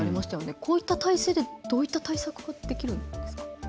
こういった体制でどういった対策ができるんですか。